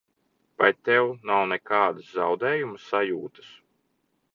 Vai tev nav nekādas zaudējuma sajūtas?